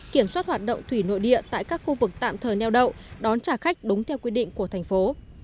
kiểm soát hoạt động thủy nội địa tại các khu vực tạm thời neo đậu đón trả khách đúng theo quy định của thành phố